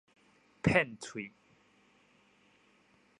騙喙